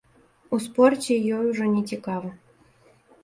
У спорце ёй ужо нецікава.